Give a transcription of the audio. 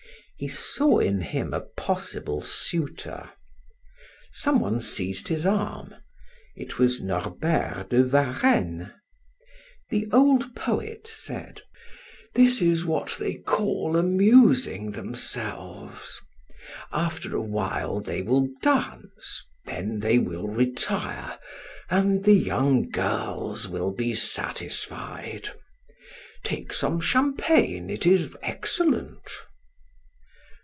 He saw in him a possible suitor. Some one seized his arm. It was Norbert de Varenne. The old poet said: "This is what they call amusing themselves. After a while they will dance, then they will retire, and the young girls will be satisfied. Take some champagne; it is excellent."